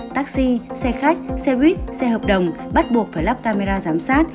taxi xe khách xe buýt xe hợp đồng bắt buộc phải lắp camera giám sát